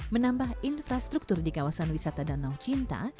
menambah infrastruktur di kawasan wisata danau cinta